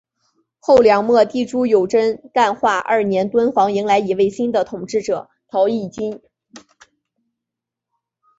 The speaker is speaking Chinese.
后梁末帝朱友贞干化二年敦煌迎来一位新的统治者曹议金。